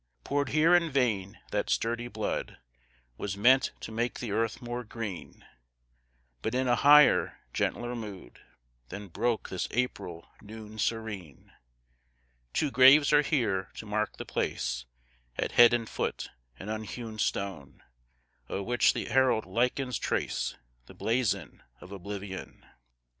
Poured here in vain; that sturdy blood Was meant to make the earth more green, But in a higher, gentler mood Than broke this April noon serene; Two graves are here; to mark the place, At head and foot, an unhewn stone, O'er which the herald lichens trace The blazon of Oblivion.